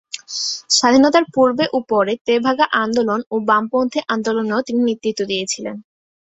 স্বাধীনতার পূর্বে ও পরে তেভাগা আন্দোলন ও বামপন্থী আন্দোলনেও তিনি নেতৃত্ব দিয়েছিলেন।